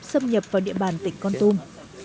xâm nhập vào địa bàn tỉnh con tung